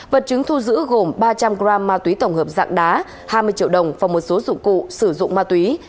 vật chứng thu giữ gồm ba trăm linh g ma túy tổng hợp dạng đá hai mươi triệu đồng và một số dụng cụ sử dụng ma túy